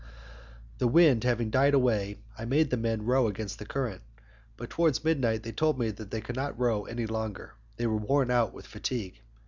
The wind having died away, I made the men row against the current, but towards midnight they told me that they could not row any longer, they were worn out with fatigue.